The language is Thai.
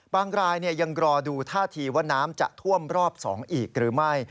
รายยังรอดูท่าทีว่าน้ำจะท่วมรอบ๒อีกหรือไม่